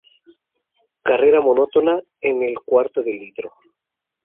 Carrera monótona en el cuarto de litro.